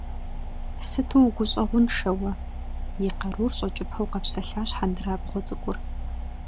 Сыту угущӀэгъуншэ уэ, - и къарур щӀэкӀыпэу къэпсэлъащ хьэндырабгъуэ цӀыкӀур.